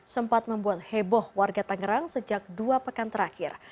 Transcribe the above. sempat membuat heboh warga tangerang sejak dua pekan terakhir